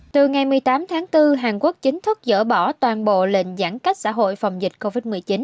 từ ngày một mươi tám tháng bốn hàn quốc chính thức dỡ bỏ toàn bộ lệnh giãn cách xã hội phòng dịch covid một mươi chín